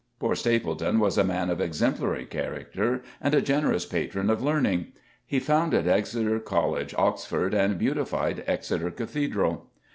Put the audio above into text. Poor Stapledon was a man of exemplary character and a generous patron of learning. He founded Exeter College, Oxford, and beautified Exeter Cathedral.